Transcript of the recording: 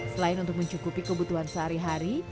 selain untuk mencukupi kebutuhan sehari hari